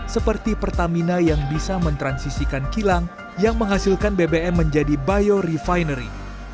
seperti pertamina yang bisa mentransisikan kilang yang menghasilkan bbm menjadi bio refinery